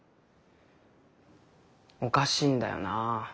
おかしいんだよな。